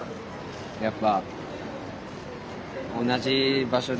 やっぱ。